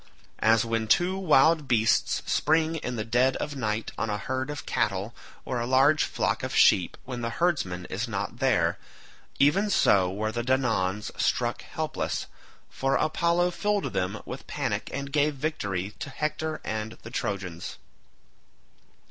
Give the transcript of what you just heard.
As when two wild beasts spring in the dead of night on a herd of cattle or a large flock of sheep when the herdsman is not there—even so were the Danaans struck helpless, for Apollo filled them with panic and gave victory to Hector and the Trojans.